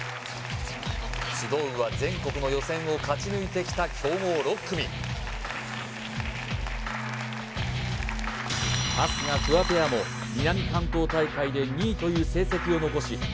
集うは全国の予選を勝ち抜いてきた強豪６組春日・フワペアも南関東大会で２位という成績を残し